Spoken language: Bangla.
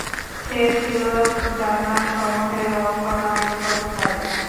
সে ছিল জান্নাতসমূহের রক্ষণাবেক্ষণকারী।